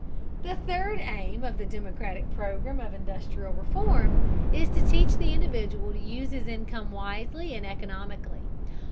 The third aim of the democratic program of industrial reform is to teach the individual to use his income wisely and economically.